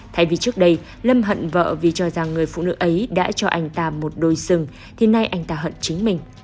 thay vì trước đây lâm hận vợ vì cho rằng người phụ nữ ấy đã cho anh ta một đồi sừng thì nay anh ta hận chính mình